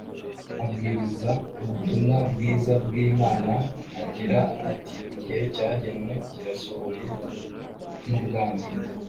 Abwiriza ubutumwa bwiza bw imana o agira ati igihe cyagenwe kirasohoye n ubwami